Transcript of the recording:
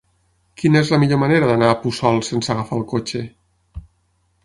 Quina és la millor manera d'anar a Puçol sense agafar el cotxe?